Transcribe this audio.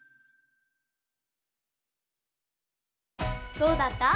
どうだった？